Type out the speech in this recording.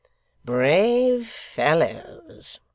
'Brave fellows!